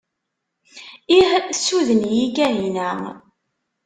Ih tessuden-iyi Kahina!